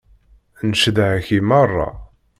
Ncedha-k i meṛṛa.